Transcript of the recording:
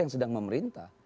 yang sedang memerintah